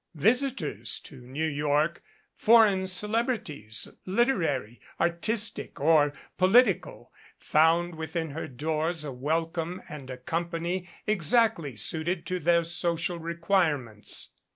Visitors to New York, foreign celebrities, literary, artistic or political, found within her doors a welcome and a company exactly suited to their social requirements.